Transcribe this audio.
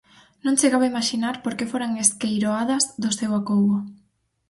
Non chegaban a imaxinar por que foran esqueiroadas do seu acougo.